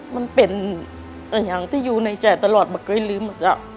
มันเป็นอย่างที่อยู่ในใจตลอดไม่เคยลืม